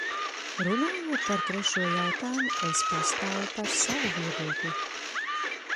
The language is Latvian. Runājot par trešo jautājumu, es pastāvu par savu viedokli.